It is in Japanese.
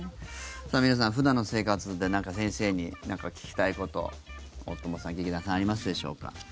皆さん、普段の生活で先生に何か聞きたいこと大友さん、劇団さんありますでしょうか？